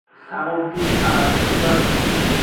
Some of these are sugar free.